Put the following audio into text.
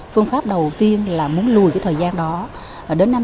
phương pháp đầu tiên là muốn lùi cái thời gian đó đến năm hai nghìn hai mươi hai